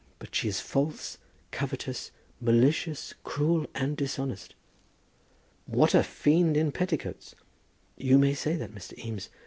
But she is false, covetous, malicious, cruel, and dishonest." "What a fiend in petticoats!" "You may say that, Mr. Eames.